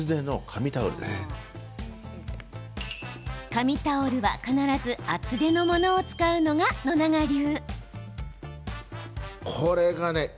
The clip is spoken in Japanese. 紙タオルは、必ず厚手のものを使うのが野永流。